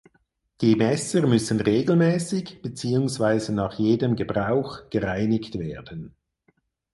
Die Messer müssen regelmäßig beziehungsweise nach jedem Gebrauch gereinigt werden.